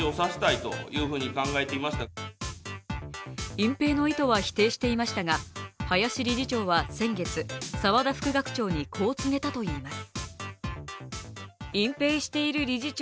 隠蔽の意図は否定していましたが林理事長は先月、澤田副学長にこう告げたといいます。